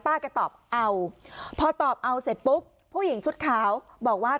แกตอบเอาพอตอบเอาเสร็จปุ๊บผู้หญิงชุดขาวบอกว่า